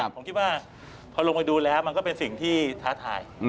ผมคิดว่าพอลงไปดูแล้วมันก็เป็นสิ่งที่ท้าทาย